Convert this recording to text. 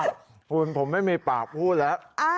คุณผมไม่มีปากพูดแล้ว